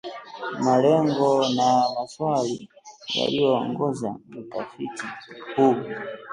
malengo na maswali yaliyoongoza utafiti huu